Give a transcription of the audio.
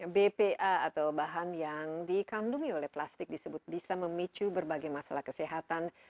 bpa atau bahan yang dikandungi oleh plastik disebut bisa memicu berbagai masalah kesehatan